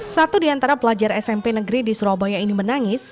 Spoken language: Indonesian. satu di antara pelajar smp negeri di surabaya ini menangis